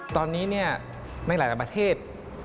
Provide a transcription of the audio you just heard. ตอนนี้ในหลายประเทศ